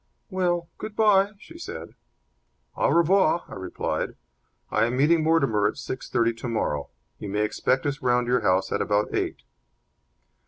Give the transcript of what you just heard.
"Well, good bye," she said. "Au revoir," I replied. "I am meeting Mortimer at six thirty tomorrow. You may expect us round at your house at about eight."